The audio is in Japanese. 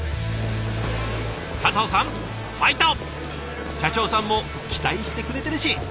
加藤さんファイト！社長さんも期待してくれてるし！